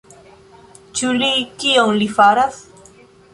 Ĉu li... kion li faras?